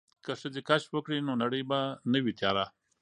که ښځې کشف وکړي نو نړۍ به نه وي تیاره.